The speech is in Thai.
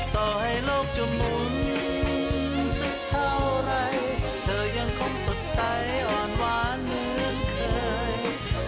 ต่อให้โลกจะหมุนสักเท่าไรเธอยังคงสดใสอ่อนหวานเหมือนเคย